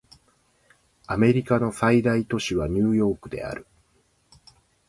アメリカの最大都市はニューヨークである